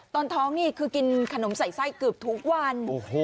ตอนท้องนี่คือกินขนมใส่ไส้เกือบทุกวัน